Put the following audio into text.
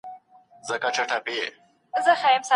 ډاکټر به اوږده پاڼه ړنګه کړي.